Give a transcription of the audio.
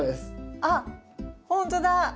あっほんとだ！